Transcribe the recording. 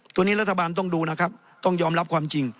ตัวนี้รัฐบาลต้องดูนะครับต้องยอมรับความจริง